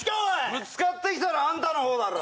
ぶつかってきたのあんたの方だろ！